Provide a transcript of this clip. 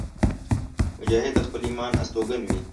مجاهد د خپل ایمان استوګن وي.